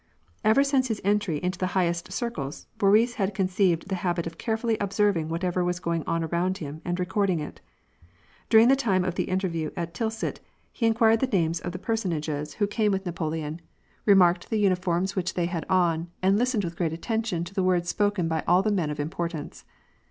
Ever since his entry into the highest circles, Boris had con ceived the habit of carefully observing whatever was going on around him and recording it. During the time of the in terview at Tilsit, he inquired the names of the persons^es who 142 WAR AND PEACE, came with l^apoleon, remarked the uniforms which they had on, and listened with great attention to the words spoken by all the men of importance.